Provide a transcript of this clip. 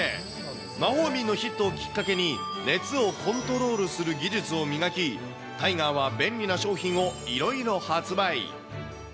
魔法瓶のヒットをきっかけに、熱をコントロールする技術を磨き、タイガーは便利な商品をいろいろ発売。